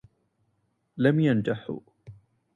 لم ينجحوا